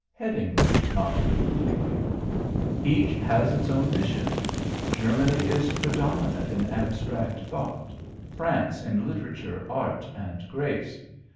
Headingly nodded approvingly. "Each has its own mission. Germany is predominant in abstract thought; France in literature, art, and grace.